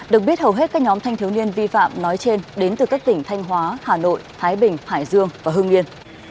được biết hầu hết các nhóm thanh thiếu niên vi phạm nói trên đến từ các tỉnh thanh hóa hà nội thái bình hải dương và hương yên